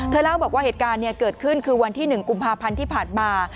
เล่าบอกว่าเหตุการณ์เกิดขึ้นคือวันที่๑กุมภาพันธ์ที่ผ่านมา